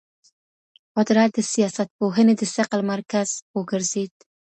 قدرت د سياستپوهني د ثقل مرکز وګرځېد.